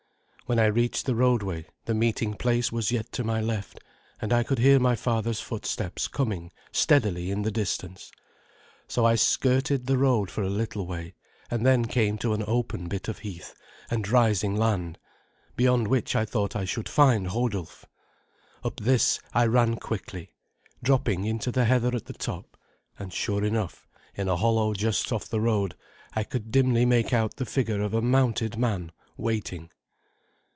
When I reached the roadway the meeting place was yet to my left, and I could hear my father's footsteps coming steadily in the distance. So I skirted the road for a little way, and then came to an open bit of heath and rising land, beyond which I thought I should find Hodulf. Up this I ran quickly, dropping into the heather at the top; and sure enough, in a hollow just off the road I could dimly make out the figure of a mounted man waiting.